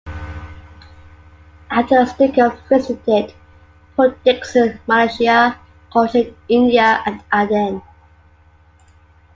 After the "Stickell" visited Port Dickson, Malaysia; Cochin, India; and Aden.